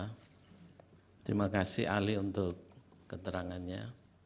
terima kasih ali untuk keterangannya